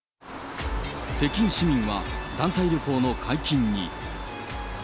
北京市民は、団体旅行の解禁に。